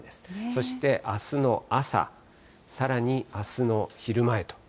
そしてあすの朝、さらにあすの昼前と。